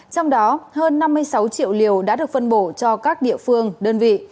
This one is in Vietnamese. trong đó hơn năm mươi sáu triệu liều đã được phân bổ cho các địa phương đơn vị